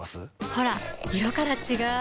ほら色から違う！